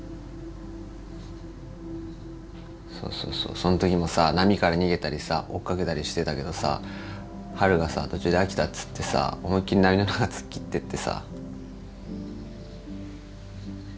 そうそうそうその時もさ波から逃げたりさ追っかけたりしてたけどさハルがさ途中で飽きたっつってさ思いっきり波の中突っ切ってってさ。